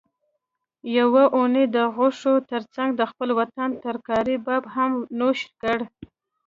یوه اونۍ د غوښو ترڅنګ د خپل وطن ترکاري باب هم نوش کړئ